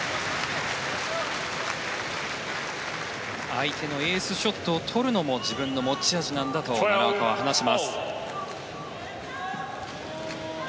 相手のエースショットを取るのも自分の持ち味なんだと奈良岡は話します。